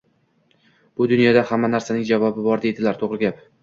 Bu dunyoda hamma narsaning javobi bor deydilar. To’g’ri gap.